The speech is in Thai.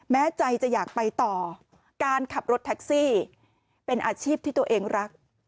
แม้ใจจะอยากไปต่อการขับรถแท็กซี่เป็นอาชีพที่ตัวเองรัก